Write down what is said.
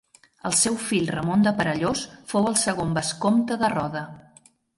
El seu fill Ramon de Perellós fou el segon vescomte de Roda.